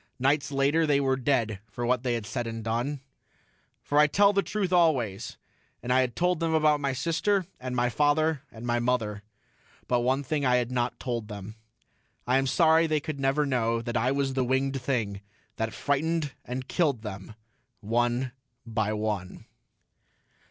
Nights later they were dead for what they had said and done. For I tell the truth always, and I had told them about my sister and my father and my mother. But one thing I had not told them. I am sorry they could never know I was the winged thing that frightened and killed them, one by one....